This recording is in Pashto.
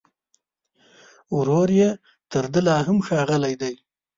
ورور يې تر ده لا هم ښاغلی دی